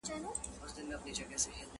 ډېر ناوخته کارګه پوه سو غولېدلی!